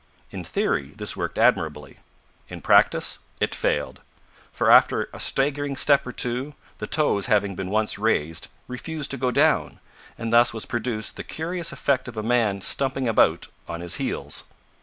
In theory this worked admirably; in practice it failed, for after a staggering step or two, the toes having been once raised refused to go down, and thus was produced the curious effect of a man stumping about on his heels!